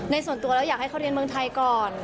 ส่วนตัวแล้วอยากให้เขาเรียนเมืองไทยก่อน